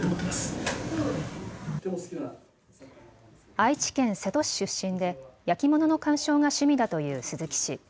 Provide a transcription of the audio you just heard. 愛知県瀬戸市出身で焼き物の鑑賞が趣味だという鈴木氏。